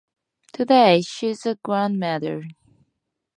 Today, she is a grandmother.